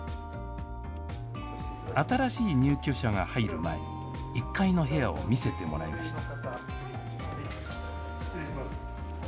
新しい入居者が入る前、１階の部屋を見せてもらいました。